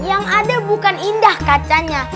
yang ada bukan indah kacanya